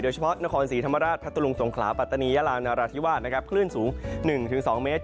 เฉพาะนครศรีธรรมราชพัทธลุงสงขลาปัตตานียาลานราธิวาสนะครับคลื่นสูง๑๒เมตร